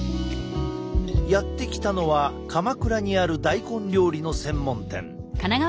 やって来たのは鎌倉にある大根料理の専門店。